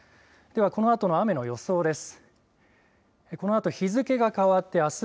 では、このあとの雨の予想です。